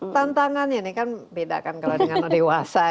tantangannya ini kan beda kan kalau dengan dewasa ya